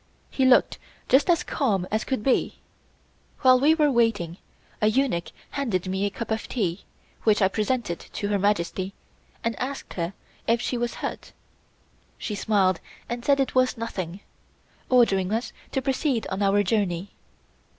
He looked just as calm as could be. While we were waiting a eunuch handed me a cup of tea, which I presented to Her Majesty, and asked her if she was hurt. She smiled and said it was nothing, ordering us to proceed on our journey.